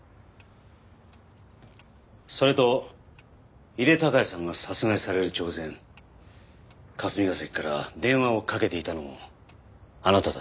それと井手孝也さんが殺害される直前霞が関から電話をかけていたのもあなただった。